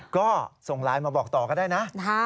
ก็ส่งไลน์มาบอกต่อก็ได้นะ